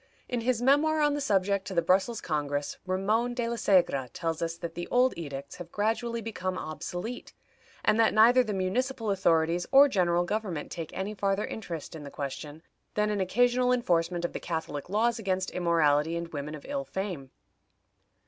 In his memoir on the subject to the Brussels Congress, Ramon de la Segra tells us that the old edicts have gradually become obsolete, and that neither the municipal authorities or general government take any farther interest in the question than an occasional enforcement of the catholic laws against immorality and women of ill fame.